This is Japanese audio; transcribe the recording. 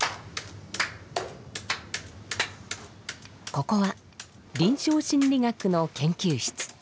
ここは臨床心理学の研究室。